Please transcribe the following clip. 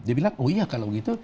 dia bilang oh iya kalau gitu